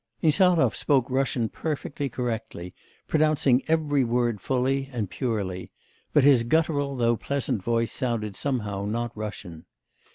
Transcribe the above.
Insarov spoke Russian perfectly correctly, pronouncing every word fully and purely; but his guttural though pleasant voice sounded somehow not Russian.